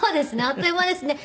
あっという間ですね。